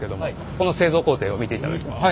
この製造工程を見ていただきます。